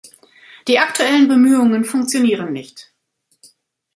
Die aktuellen Bemühungen funktionieren nicht.